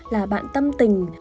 là bạn tâm tình